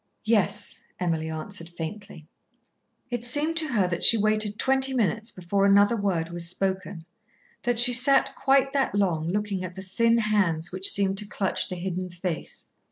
"Yes," Emily answered faintly. It seemed to her that she waited twenty minutes before another word was spoken, that she sat quite that long looking at the thin hands which seemed to clutch the hidden face.